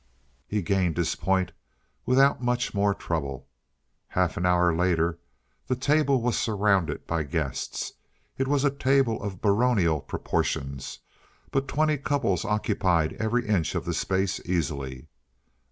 He gained his point without much more trouble. Half an hour later the table was surrounded by the guests. It was a table of baronial proportions, but twenty couples occupied every inch of the space easily.